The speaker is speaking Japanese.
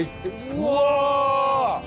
うわ！